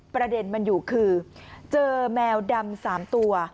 ประเด็นมันอยู่คือเจอแมวดำ๓ตัว